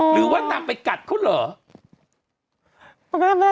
หรือว่านำไปกัดเขาเหรอ